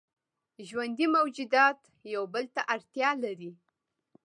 ژوندي موجودات یو بل ته اړتیا لري